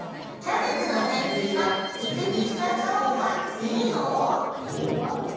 キャベツの千切りは水に浸したほうがイイの？